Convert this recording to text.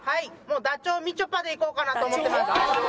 もうダチョウみちょぱでいこうかなと思ってます。